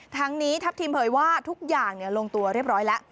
ทั้งนี้ทัพทิมเผยว่าทุกอย่างลงตัวเรียบร้อยแล้ว